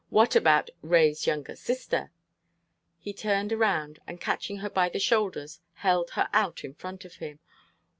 "What about Ray's younger sister?" He turned around, and catching her by the shoulders, held her out in front of him.